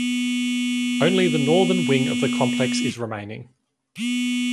Only the northern wing of the complex is remaining.